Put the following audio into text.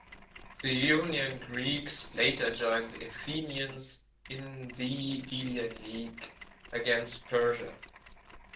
The Ionian Greeks later joined the Athenians in the "Delian League" against Persia.